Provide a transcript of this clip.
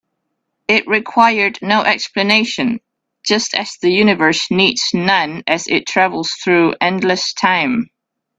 It required no explanation, just as the universe needs none as it travels through endless time.